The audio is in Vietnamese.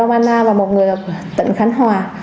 một người ở huyện công an và một người ở tỉnh khánh hòa